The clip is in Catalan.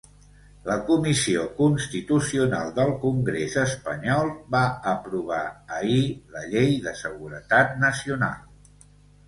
La comissió constitucional del congrés espanyol va aprovar ahir la llei de seguretat nacional.